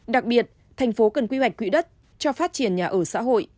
đặc biệt thành phố cần quy hoạch quỹ đất cho phát triển nhà ở xã hội